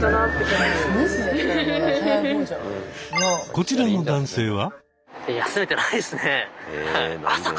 こちらの男性は。